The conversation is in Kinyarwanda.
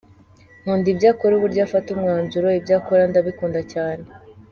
Nkunda ibyo akora, uburyo afata umwanzuro, ibyo akora ndabikunda cyane.